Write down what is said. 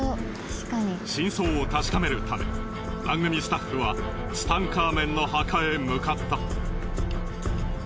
真相を確かめるため番組スタッフはツタンカーメンの墓へ向かった。